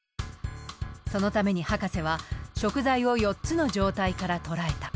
そのために博士は食材を４つの状態から捉えた。